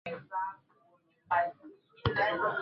Rais anakaribisha taarifa